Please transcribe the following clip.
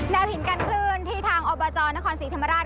แนวหินกันคลื่นที่ทางอบจนครศิรภรรรถ